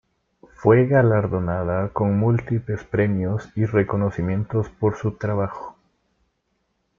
Fue galardonada con múltiples premios y reconocimientos por su trabajo.